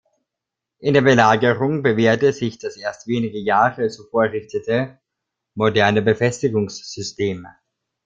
In der Belagerung bewährte sich das erst wenige Jahre zuvor errichtete, moderne Befestigungssystem.